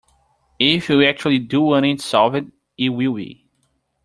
If we actually do want it solved, it will be.